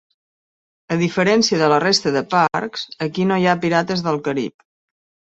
A diferència de la resta de parcs, aquí no hi ha Pirates del Carib.